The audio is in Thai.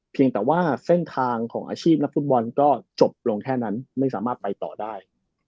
เพียงแต่ว่าเส้นทางของอาชีพนักฟุตบอลก็จบลงแค่นั้นไม่สามารถไปต่อได้